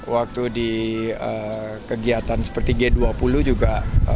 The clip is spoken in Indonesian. waktu di kegiatan seperti g dua puluh juga